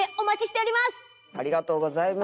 「ありがとうございます」